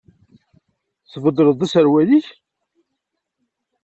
Tbeddleḍ-d aserwal-ik?